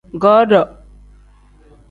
Godo.